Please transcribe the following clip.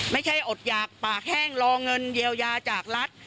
ยอดหยากปากแห้งรอเงินเยียวยาจากรัฐ